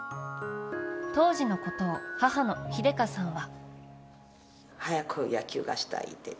当時のことを母の英佳さんは。